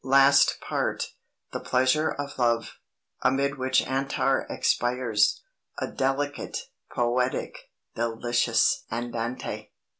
"Last Part: The Pleasure of Love, amid which Antar expires a delicate, poetic, delicious Andante...."